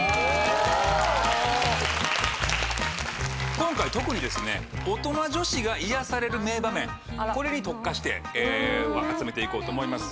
今回特にですね大人女子が癒やされる名場面これに特化して集めて行こうと思います。